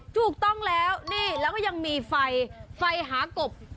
ถูกต้องแล้วแล้วก็ยังมีไฟลากบ